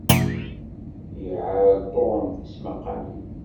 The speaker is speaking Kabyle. Iɛall Ṭum tismaqalin.